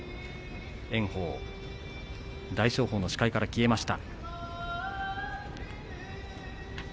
炎鵬、大翔鵬の視界から消えました。